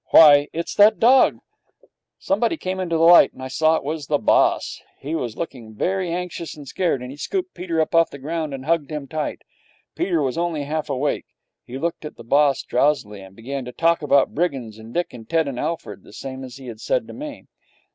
'Why, it's that dog!' Somebody came into the light, and I saw it was the boss. He was looking very anxious and scared, and he scooped Peter up off the ground and hugged him tight. Peter was only half awake. He looked up at the boss drowsily, and began to talk about brigands, and Dick and Ted and Alfred, the same as he had said to me.